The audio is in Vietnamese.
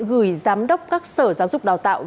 gửi giám đốc các sở giáo dục đào tạo